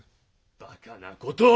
バカなことを！